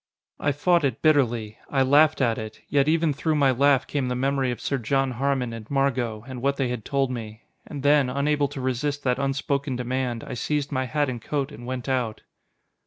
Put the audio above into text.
I fought it bitterly. I laughed at it, yet even through my laugh came the memory of Sir John Harmon and Margot, and what they had told me. And then, unable to resist that unspoken demand, I seized my hat and coat and went out.